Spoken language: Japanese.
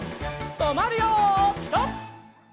とまるよピタ！